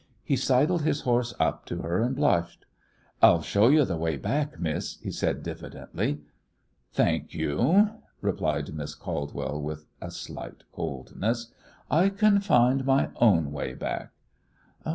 He sidled his horse up to her and blushed. "I'll show you th' way back, miss," he said, diffidently. "Thank you," replied Miss Caldwell, with a slight coldness, "I can find my own way back."